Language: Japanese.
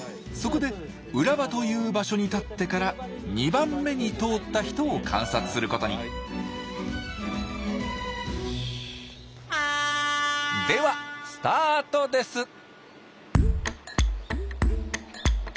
そこで占場という場所に立ってから２番目に通った人を観察することにではスタートです